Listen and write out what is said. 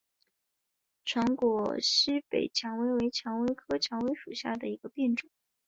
长果西北蔷薇为蔷薇科蔷薇属下的一个变种。